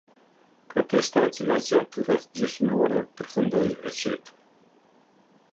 Protesta, e cila zgjati rreth gjysmë ore, përfundoi e qetë.